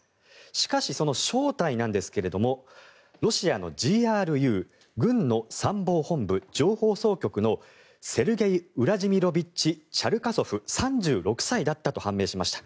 しかし、その正体なんですがロシアのＧＲＵ・軍の参謀本部情報総局のセルゲイ・ウラジミロビッチ・チェルカソフ、３６歳だったと判明しました。